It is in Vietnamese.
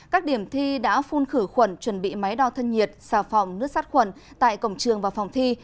các điểm thi đã phun khử khuẩn chuẩn bị máy đo thân nhiệt xà phòng nước sát khuẩn tại cổng trường và phòng thi